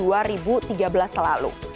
pada tahun dua ribu tiga belas selalu